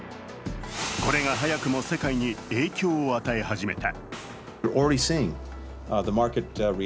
これが早くも世界に影響を与え始めた。